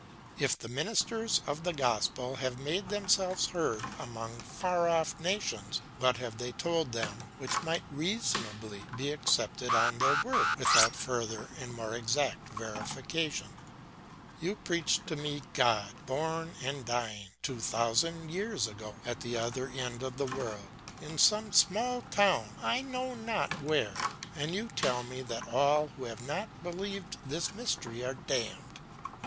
"If the ministers of the gospel have made themselves heard among far off nations, what have they told them which might reasonably be accepted on their word, without further and more exact verification? You preach to me God, born and dying, two thousand years ago, at the other end of the world, in some small town I know not where; and you tell me that all who have not believed this mystery are damned.